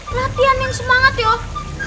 latihan yang semangat yuk